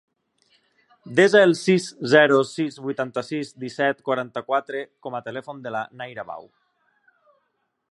Desa el sis, zero, sis, vuitanta-sis, disset, quaranta-quatre com a telèfon de la Naira Bau.